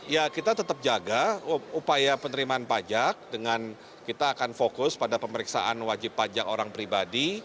ya kita tetap jaga upaya penerimaan pajak dengan kita akan fokus pada pemeriksaan wajib pajak orang pribadi